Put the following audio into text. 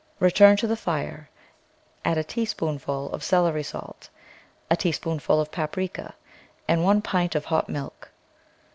Re turn to the fire, add a teaspoonful of celery salt, a teaspoonful of paprika, and one pint of hot milk.